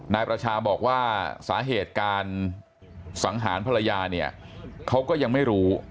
นายประชาบอกว่าสาเหตุการสังหารภรรยาเนี่ยเขาก็ยังไม่รู้